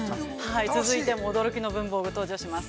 ◆続いても驚きの文房具が登場します。